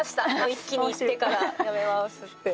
一気にいってからなめ回すって。